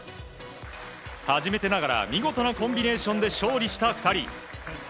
初めてながら見事なコンビネーションで勝利した２人。